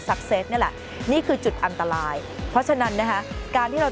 เซตนี่แหละนี่คือจุดอันตรายเพราะฉะนั้นนะคะการที่เรา